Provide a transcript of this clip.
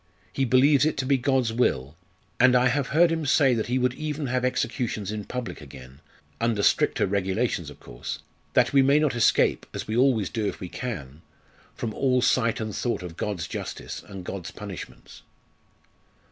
He believes it to be God's will, and I have heard him say that he would even have executions in public again under stricter regulations of course that we may not escape, as we always do if we can from all sight and thought of God's justice and God's punishments."